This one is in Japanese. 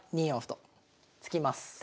２四歩と突きます。